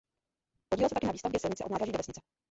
Podílel se taky na výstavbě silnice od nádraží do vesnice.